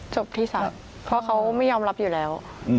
จบที่ศาลเพราะเขาไม่ยอมรับอยู่แล้ว